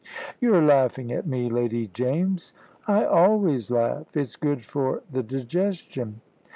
"You're laughing at me, Lady James." "I always laugh. It's good for the digestion."